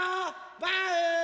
バウ！